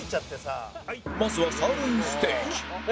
まずはサーロインステーキ